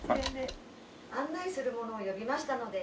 案内する者を呼びましたので。